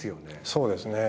そうですね